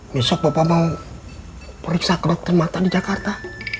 besok bapak mau periksa ke dokter mata di jakarta